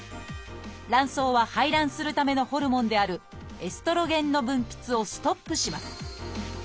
卵巣は排卵するためのホルモンであるエストロゲンの分泌をストップします。